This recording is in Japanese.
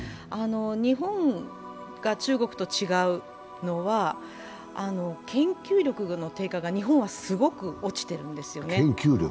日本が中国と違うのは、研究力の低下が日本はすごく落ちてるんですよね。